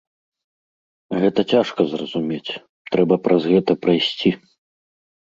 Гэта цяжка зразумець, трэба праз гэта прайсці.